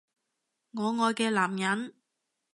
我愛嘅男人